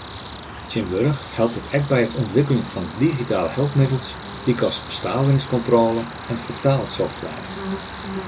Tsjintwurdich helpt it ek by it ûntwikkeljen fan digitale helpmiddels lykas staveringskontrôle en fertaalsoftware.